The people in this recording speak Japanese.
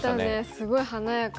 すごい華やかで。